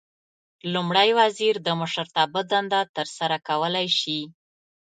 لومړی وزیر د مشرتابه دنده ترسره کولای شي.